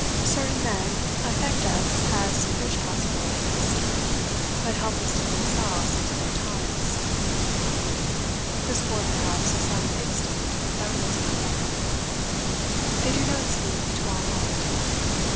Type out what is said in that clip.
Certain men affect us as rich possibilities, but helpless to themselves and to their times, the sport, perhaps, of some instinct that rules in the air; they do not speak to our want.